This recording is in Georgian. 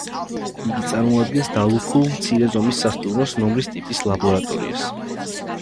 იგი წარმოადგენს დალუქულ, მცირე ზომის სასტუმროს ნომრის ტიპის ლაბორატორიას.